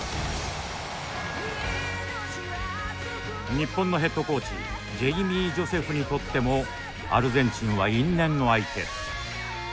日本のヘッドコーチジェイミー・ジョセフにとってもアルゼンチンは因縁の相手。